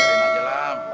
buat aja puasa